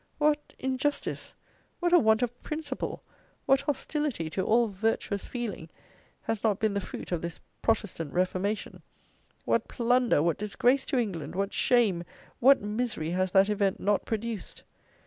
what injustice, what a want of principle, what hostility to all virtuous feeling, has not been the fruit of this Protestant Reformation; what plunder, what disgrace to England, what shame, what misery, has that event not produced!